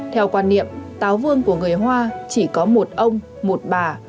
theo quan niệm táo vương của người hoa chỉ có một ông một bà